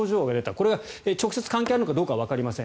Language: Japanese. これが直接関係あるのかどうかはわかりません。